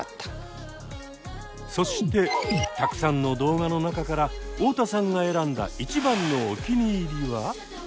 そしてたくさんの動画の中から太田さんが選んだ一番のお気に入りは？